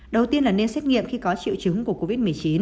đầu tiên là nên xét nghiệm khi có triệu chứng của covid một mươi chín